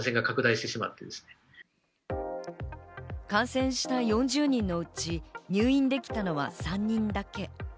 感染した４０人のうち、入院できたのは３人だけ。